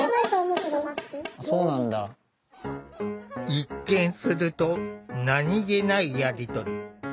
一見すると何気ないやり取り。